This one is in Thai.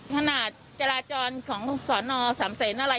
ขนาดจราจรของสอนอสามเซนอะไร